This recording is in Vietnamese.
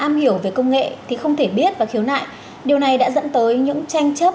am hiểu về công nghệ thì không thể biết và khiếu nại điều này đã dẫn tới những tranh chấp